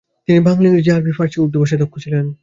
তিনি বাংলা, ইংরেজি, আরবি, ফারসি ও উর্দু ভাষায় দক্ষ ছিলেন।